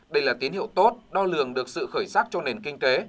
đây là tín hiệu tốt đo lường được sự khởi sắc cho nền kinh tế